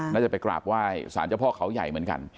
น่าจะไปกราบไหว้สารเจ้าพ่อเขาใหญ่เหมือนกัน